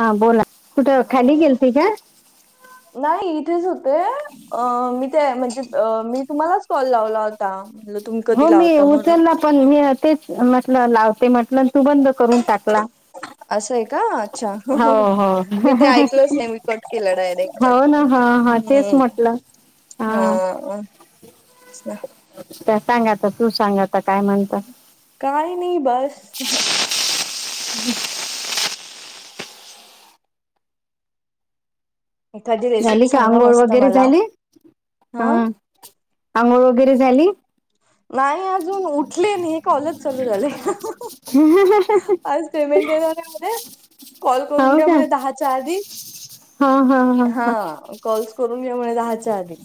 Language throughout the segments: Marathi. हा बोला कुठं खाली हा गेलती का नाही इथेच होते अ मी ते म्हणजे मी तुम्हालाच कॉल लावला म्हण तम हो कधी मी लावता म्हणून उचलला पण मी तेच म्हटलं लावते म्हटल तू बंद करून टाकला असं आहे का अच्छा हो हो मी ते ऐकलच नाही मी कट केलं डायरेक्ट हो ना वाटतं. हा हा तेच हम्म म्हटलं हा त्या सांगाात तू सांगाता काय म्हणता काय नाही बस हम् एखादी रेसिपी झाली का सांगा आंघोळ मस्त वगैरे मला झाले हा आंघोळ वगैरे झाली नाही अजून उठले नाही हे कॉलेज चालू झाले आज पेमेंट येणार मध्ये कॉल हो करून घ्या का म्हणे दहाच्या आधी हा हा ह ह ह कॉल्स करून घ्या म्हणे दहाच्या अधिक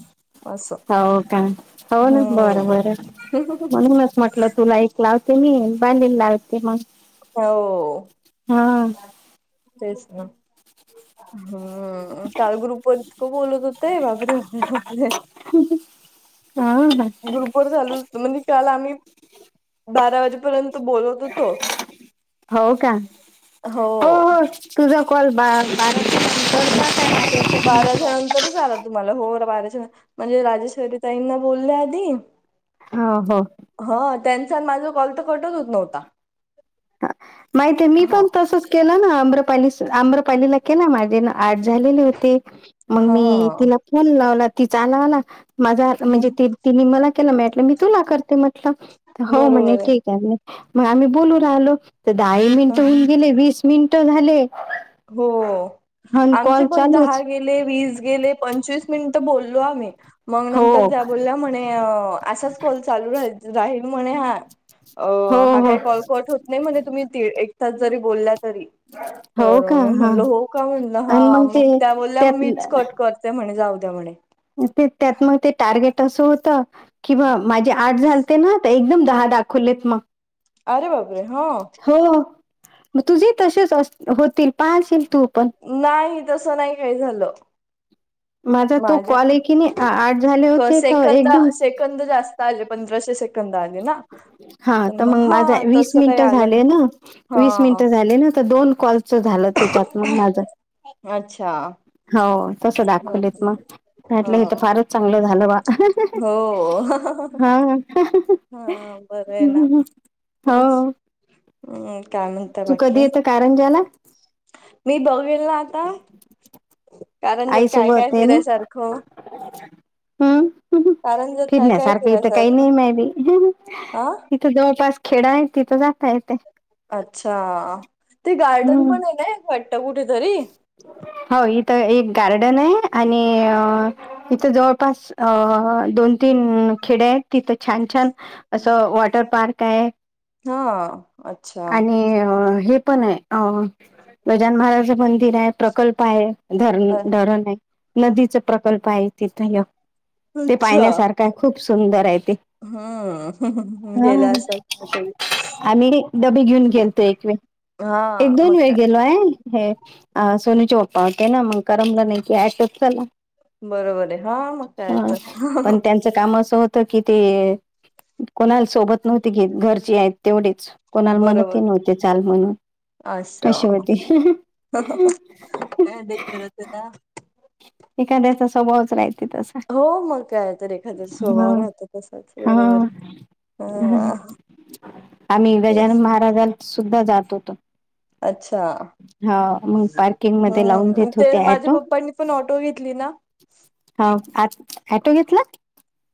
हो का हो ना बरं हम्म. बरं म्हूनच म्हटलं तुला एकक लावते मी बलेल लावते मग हो हा तेच ना हम् कालगरुपर त बोलत ते बापरे हा ग्रुपर चालू म्हणजे काल आम्ही बारा वाजेपर्यंत बोलत होतो हो का हो हो तुझा कॉल ब बारा जणांंतरच आला तुम्हाला हो बाराजण म्हणजे राजेश्वरी ताईंना बोलल्या आधी ह हो ह त्यांचा माझा कॉल तर कटत होत नव्हता माहिित आहे मी हा पण तसच केलं ना आम्रपाली आम्रपालीला केला माझे ना आठ झालेले होते मग मी हा तिला फोन लावला ती चालावला माझा म्हणजे हम्म तिने मला केला माटलं मी तू ना करते म्हटलं हो म्हणेणे बरोबर ठीक आहे मग आम्ही बोलू राहिलो तर दहाही मिनिट आहे. होऊन गेले वीस मिनिट झाले हो आणि आमचे कॉल पण दहा चालूच गे व गे पं मिन बोललो आम्ही मग हो नर ब म्हणे असाच कॉल चालू रा राहील म्हणे हा अ हो हा हो काही कॉल कट होत नाही म्हणजे तुम्ही एकतास जरी बोलला तरी, ब तर मी म्हणल, हो का म्हणलं हा मग ते त्या, बोललल्या त्यात मीच, कट करते म्हणे जाऊ द्या म्हणे. मं ते त्यात मग ते टार्गेट असं होतं. किं माझे आठ झालते ना एकदम दहा दाखवलेत मग. आरे बापररे हः हो तुझे तसेच अस, होतील पाहाशील तू पण. नाही तसं, नाही काही झालं. माझा तो माझ्या कॉल आहे की नाही आ झाले होते तर सेकंदे एकदम सेकंद जास्त आले पंधराशे सेकंद आले ना हा पण तर मग माझा हा वीस तसं काही मिनिटं आलं झाले नाही ना वीस हा. मिनट झाले ना तर दोन कॉल झालं त्याच्यात मग माझं अच्छा हो तस ह दाखवलेत मगटलं हे तर ह फारच चांगलं झालं बा हो हा हा बरं आहे ना तेच हो, काय म्हणता तू कधी बाकी येतं कारंजाला मी बघल ना आता कारंजात आई काय काय सोबतत न फिरायसारखं हम्म कारंजात काय काय फिरण्यासारखं इथं काही फिरायसारखं नाही मारी हा जवळपास खेड आहे तिथं जाता येते अच्छा ते गार्डन हम्म. पण आहे ना घट्ट कुठेतरी हो इथं एक गार्डन आहे आणि इथं जवळपास अ दोन तीन खेडे आहेत तिथं छान छान असं वॉटर पार्क आहे हः हं अच्छा आणि हे पण आहे अ, गजान महाराज मंदिर आहे. प्रकल्प आहे. धरण अ- धरण आहे नदीचा प्रकल्प आहे तिथं ते अच्छा पाहण्यासारखं काय खूप सुंदर आहे ते. हम्म हा गेला असाल तुम्ही कधी आम्ही डबी घेऊन गेलतो एकवे. हा एक दोन मग वेळ काय गेलो आहे. हे सोनूचे पप्पा होते ना मग करमला नाही की, टच चला. बरोबर आहे हा, मग काय तर का होत की, ते कोणा सोबत. नव्हती घेत घरची आहेत तेवढेच, कोणाला म्हणत बरोबर नव्हते चाल म्हणून. अशवती, त खूप्पच, का डेंजरत ना. एखाद्याचा स्वभावच रायच. हो मग काय तर, एखाद्या हा स्वभाव राहत तसाच हा बरोबर हं आ. आम्ही गजानन महाराज सुद्धा जात होतो. अच्छा हा मग पार्किंग मध्ये लावून हम्म देत ते होते माझ्या ऑटो पप्पनी पण ऑटो घेतली ना. हा आ, ॲटो घेतला.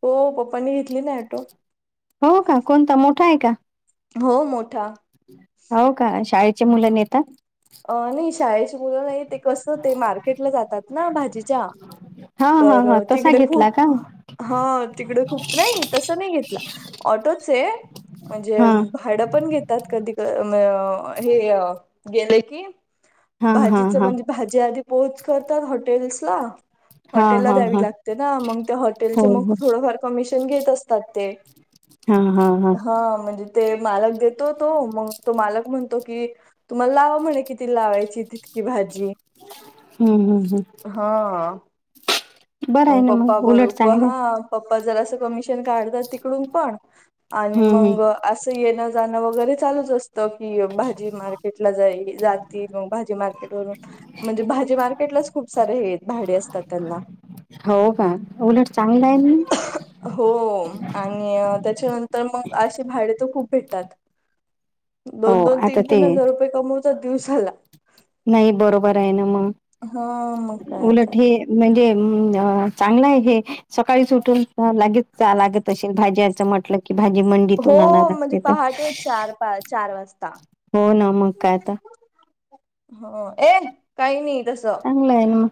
हो पप्पपानी घेतली नाही ॲटो. हो का कोणता मोठा आहे का? हो मोठा हो का शाळेचे मुलं नेतात. अ नाही शाळेची मुलं नाही ते कसं, ते मार्केटला जातात ना भाजीच्या. हा हा हा तर तसा तिकडे घेतला का खूप हा तिकड खूप नाही तसं नाही., घेतला ऑटोच आहे म्हणजे हा झाडं पण घेतात, कधी हे गेले की हा हा भाजीच हा म्हणजे भाजी आधी पोहोच करतात हॉटेल्स ला. हा हॉटेल ला हा द्यावी हा लागते ना मग त्या हो हॉटेलचे मग हो थोडंफार कमिशन घेत असतात ते हा हा हा. हा म्हणजे ते मालक देतो तो मग तो मालक म्हणतो की तुम्हाला लावा म्हणे. किती लावायची तितकी भाजी हम्म हम्म हम्म हा. बरं आहे मग ना पापा उलट बरोबर चांगलं आहे. ह्. पप्पा जरास असं कमिशन काढतात तिकडून पण आणि हम्म हम्म मग असं येणं जाणं वगैरे, चालूच असतं की, भाजी मार्केटला जाई जात. भाजी मार्केट वरून म्हणजे, भाजी मार्केटलाच, खूप सारे हे भाडे असतात त्यांना. हो का उलट चांगलं आहे. हो आणि त्याच्यानंतर मग असशी भाडे त खूप भेटतात. हो दोन दोन आता तीन ते तीन हजार रुपये कमवता दिवस झाला. नाही बरोबर आहे ना मग हा मग काळच उलट हे म्हणजे चांगलं आहे हे सकाळी सुठून लागेच. ला त भाजीचं म्हट की भाजी मं. हो म्हणजे पहाटे चार पा चार वाजता. हो ना मग काय आता. ह ए काही नाही तसं चांगलंय मग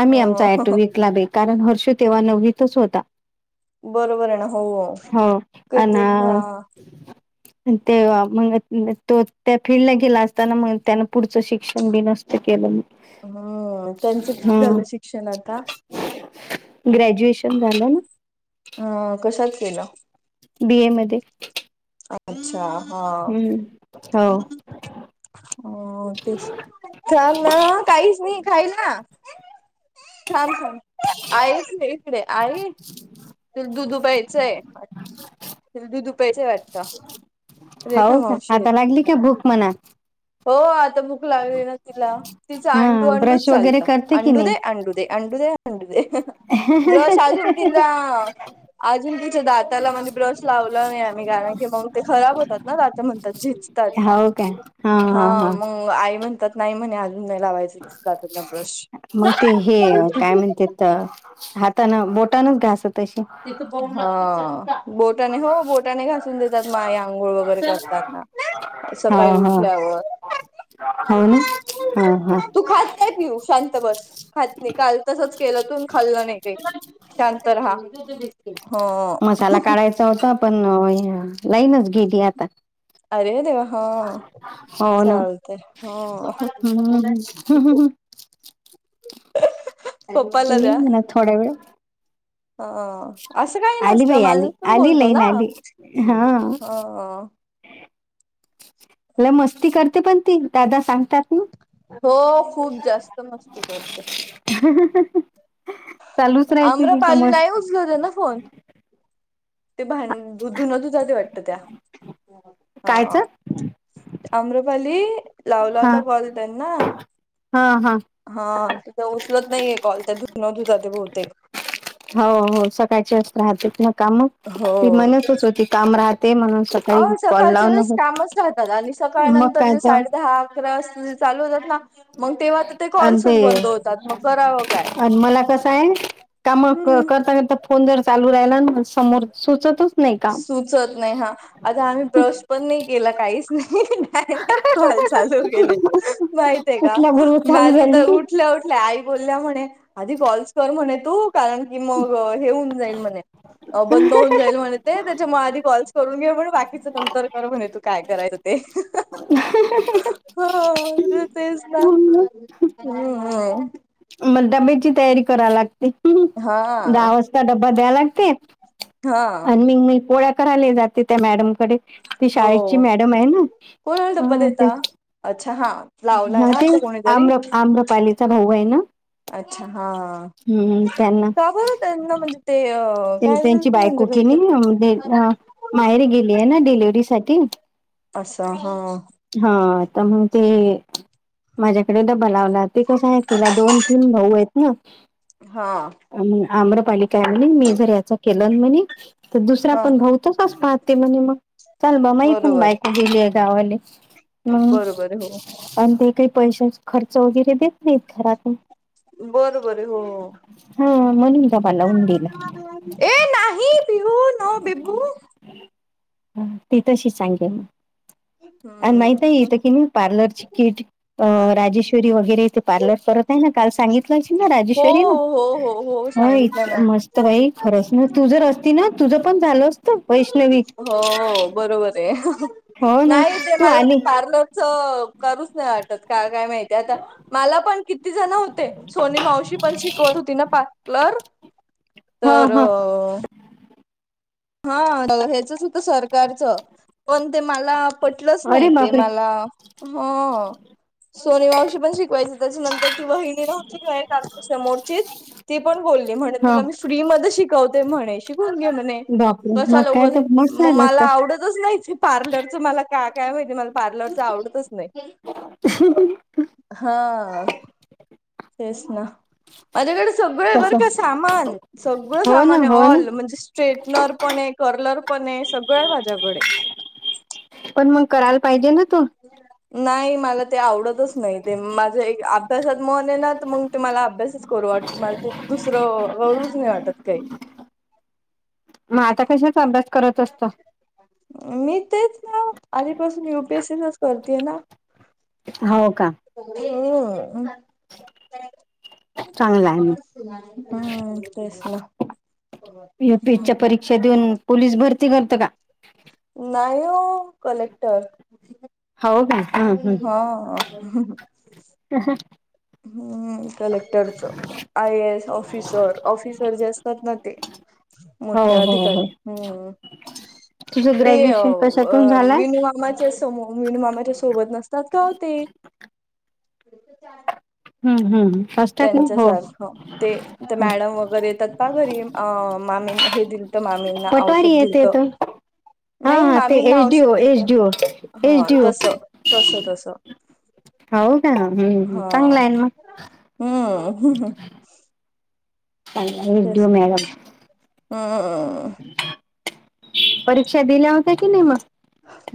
आम्ही आमचा टो वीक ला बे कारण हर्ष तेव्हा नव्हतच होता. बरोबर आहे ना हो हो अ कती हा ते मग तो त्या फील्डला गेला असताना मग त्यान पुढचं शिक्षण बी नसत केलं मग हम्म त्यांचं कि हा झालं शिक्षण आता? ग्रॅज्युएशन झालं ना? ह् कशाचत केलं. बी ए मध्ये अच्छा. हा ह् हो. हो तेच चालं ना काहीच नाही खायला. छान छान आईच ना इकडे आई तु दुधुपियाचं दुधुपियाचंय आता हवं का आता लागली का भूक मना हो आता बूक लागली ना तिला तिचा हा अंडू अंडू ब्रश वगैरे चालतं करते की अंडू नाही दे अंडू दे. अंडू दे अंडू दे दिवस अजून ति अजून तिचे दात त्याला म ब्रश लावला नाही आम्ही कारण की मग ते खराब होतात ना त्याता म्हणतात झिजतात. हवं काय? हा मग आई म्हणतात नाही म्हणे अजून नाही लावायचं. दातांना ब्रश. मग ते हे काय म्हणत्यात. हातानं बोटानंच घास तशी हा. बोटाने हो बोटाने घासून देतात माय अंघोळ वगैरे करताना. हो सकाळी हो उठल्यावर हो ना हा हा. तू खात नाहीय पिऊ शांत बस खात नाही काल तसच केलं तून खाल्लं नाही काही शांत राहा. जाऊदे बाई हो ओ. मसाला काढायचा होता पण लाईनच गेली आता अरे देवा हा. हो ना चालत हो. हम्म पपाला येईल द्या म्हणा थोड्या वेळ ह्. असं काही आली बाई नसतं आली माणूस पण आली बोलतो लाईन ना आली हा ह्. म मस्ती करते पण ती दादा सांग. त्या त. हो खूप जास्त मस्ती करते चालूच राहायच आम्रपाली तुच्यामुळे नाही ना फोन. ते भांडधुन दुधा ते वाटत त्या कायच हा. अम्रपाली लावला हा होता कॉल त्यांना हा हा. हा तुझ उचलत नाहीये कॉल त्या धुन धुत असतील भवतेक हो हो सकाळच्या राहतात ना काम हो ती म्हणतच होती काम राह ते म्हणून सकाळी ओशो कॉल सकाळच्या लावून वेळेस होत कामच राहतात आणि सकाळ मग नंतर काय ज तर साडे दहा अकरा वाजता जे चालू होतात ना. मग तेव्हा तर ते कॉल्सच बंद होतात मग करावं काय? आणि मला कसं आहे काम करता करता फोन जर चालू राहिला ना हम्म समोर सुचतच नाही काम सुचत नाही हा. आता आम्ही ब्रश पण नाही केला काहीच नाही का नाही डायरेक्ट कॉल चालू केले. माहित आहे का उठल्याबरोबर चालू माझं झाली तर उठ. उठल्या उठल्या आई बोलल्या म्हणे आधी कॉल्स कर म्हणे तू कारण की मग हे होऊन जाईल म्हणे बंद होऊन जाईल म्ह ते त्याच्यामुळे आधी कॉल्स करून घे म्हण बाकीचं नंतर कर म्हणे तू काय करायचं ते हो तेच ना्. मग डब्याची तयारी करा लागते. ह् हा दहा वाजता डबबा द्या लागते हा आणि मी मी पोळ्या करायला जाते. ते त्या मॅडमकडे ती हो शाळेची मॅडम आहे कोणाला डब्बा ना ते देता अच्छा हा लावलाय हा ना वाटतं तेच कोणीतरी आम्र आम्रपालीचा भाऊ आहे ना. अच्छा हा. हम्म त्यांना काब त्यांना म्हणजे ते अ ते- काय झालत म्हजच्या घरी माहेर गेली आहे ना डिलिव्हरी साठी अचछा हा. हा तर मग ते माझ्याकडे डबल लावला ते कस आहे तिला दोन तीम भाऊ आहेत ना. हा. आम्रपालिका आहे म्ह मी जर याचा केलं म्हणे तर दुसरा हा पण त कस पाहते म्हणे मग चल बामाी पण बरोबर बायको गेली आहे गावाले हम् बरोबर हो आणि ते काही पैश खर्च वगैरे देत नाहीत घरातून. बरं बर हो. हा मनंग पाले. ए नाही पिहू न बेबू. ती तशी सांगे मग अ माहत आहे हम्म येत कि मी. पार्लर ची किट राजेश्वरी वगैरेथे पार्लर परत आहे ना काल सांगित. हो राजेश्वरी ना हो हो हो ह सांगितलं इतक ना मस्त भाई खरच ना तू जर अस त ना तुझं पण झाल असत वैष्णवी. ते हो ना नाही ते तू मला ते आली पार्लर. करूच नाही आटत का काय माहिती आता मला पण किती. ति जण होते सोनी मावशी पण शिकवत होती ना पटलर. हा तर हा अ हा ह्याचच होत सरकारचं पण ते मला. पटलंच नाही अरे ते बापरे मला,, हं,, सोनि मावशी पण शिकवायची,, त्याच्यानंतर ती बहिणी नव्हती किंवा एक काच्या समोरचीतऽ ती पण बोलली,, म्हणे हा तुला मी फ्री मध्ये शिकवते म्हणे,, शिकून घे म्हणे. बापरे! मग कशाला काय उगाच,, तर मस्त मग झालं मला असतं आवडतच नाही ते पार्लरचं,, मला का काय माहिती मला? पार्लर च आवडतच नाही. हां,, तेच ना,, माझ्याकडेचऽ सगळ य बर तसं. का सामान,,, सगळं, हो ना, सामान आहे. हो ना. ऑल,,, म्हणजे स्ट्रेटनरऽ पण एक,, कर्लर पण एक,, सगळ्या माज्याकडे. पण मग करायला पाहिजे ना तू नाही मला ते आवडतच नाही ते माझ एक अभ्यासात मन ये ना तर मग ते म्हाला अभ्यासच करू वाट मला ते दुसरं गूच नाही वाटत काही. मग आता कशाच अभ्यास करत असत. मी तेच ना आधपासून युपीएससीच करतेय ना. हो का. म [inaudible] चांगला आहे मग. हम् तेस. युपीएसच्या परीक्षा देऊन पोलीस भरती करत का. नाहीयो कलेक्टर. हो का. हं, हं. हा. हम्म कलेक्टरच I A S officer officer जे असतात ना ते. हो, मोठे हो, हो. अधिकारी हम्म. तुझं ते ग्रॅज्युएशन कशातून झालंय? विनिमाच्या समूह मन मामाच्या सोबत नसतात काओ तेऽ हम्म, हम्, त्यांच्या सारखं ते,, ते हं. मॅडम वगैरे येतात पहा घरी,, मामीना हे दिलंऽ त. मामींना,, पटवारी औषध येते दिलतं. तो. हां, नाही, हां. ते मामींना औषध एसडीओ, दिलतं.. एसडीओ, हां, एसडीओ. तस,, तस. तस. हो वका,, हम्, चांगलाय न मग. हम्,,, ह हह तेच विड्यू मेळमऽ हम्म परीक्षा दिल्या होत्या की नाही मग?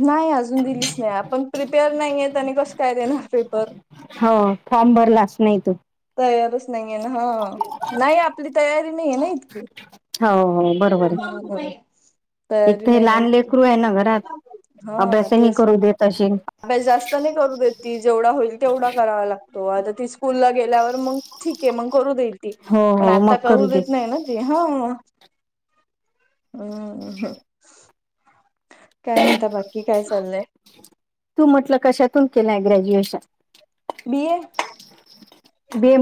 नाही, अजून दिलीच नाही, आपण प्रिपेअर नाहीय आणि कसं काय देणार? पेपर हो,, फॉर्म भरलाच नाही तो. तयारच नाही आहे ना,, हा,, नाही आपली तयारी नाही आहेे ना, इतकी. हो, हो, बरोबर [unintelligible] आहे एक तयारी तर हे नाही ना लहान इतकी, लेकरू आहे ना घरात हा अभ्यासही तेच ना. करू देत असेल अभ्यास जास्त नाही करू देत ती जेवढा होईल तेवढा करावा लागतो, आता ती स्कूलला गेल्यावर मग ठीक आहे मग करू देईल ती, हो पण हो आता मग करू दे देत नाही ना ती हां. अं हम्म! काय म्हणता बाकी काय चाललंय? तू म्हटलं कशातून केलाय ग्रॅज्युएशन? बी ए! बि ए मध